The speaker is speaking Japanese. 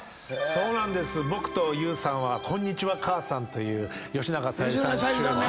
僕とＹＯＵさんは『こんにちは、母さん』という吉永小百合さん主演の。